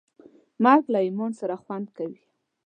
مرګ له ایمان سره خوند کوي.